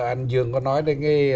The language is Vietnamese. anh dương có nói đến